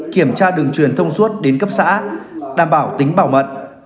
kiểm tra đường truyền thông suốt đến cấp xã đảm bảo tính bảo mật